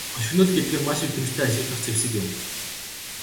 Хошигнол гэдэг нь маш мэдрэмжтэй ашиглах зэвсэг юм.